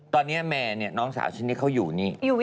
ตอนนี้แม่เนี่ยน้องสาวฉันนี่เขาอยู่นี่